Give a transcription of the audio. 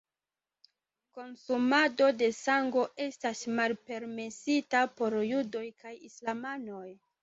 Konsumado de sango estas malpermesita por judoj kaj islamanoj.